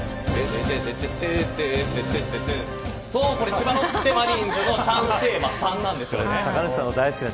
千葉ロッテマリーンズのチャンステーマです。